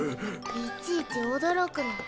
いちいち驚くなよ。